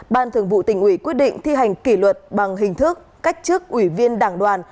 ban thường vụ tỉnh ủy quyết định thi hành kỷ luật bằng hình thức cách chức ủy viên đảng đoàn